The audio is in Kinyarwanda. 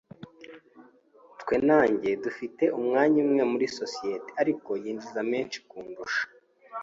Twe na njye dufite umwanya umwe muri sosiyete, ariko yinjiza menshi kundusha.